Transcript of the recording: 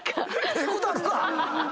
ええことあるか！